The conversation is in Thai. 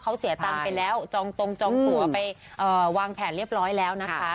เขาเสียตังค์ไปแล้วจองตรงจองตัวไปวางแผนเรียบร้อยแล้วนะคะ